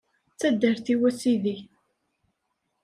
D taddart-iw, a Sidi.